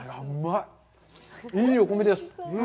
いいお米です。